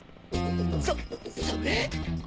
そそれ！